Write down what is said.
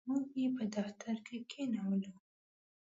موږ یې په دفتر کې کښېنولو.